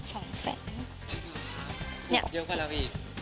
จริงหรอบอกเยอะกว่าที